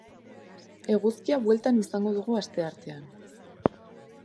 Eguzkia bueltan izango dugu asteartean.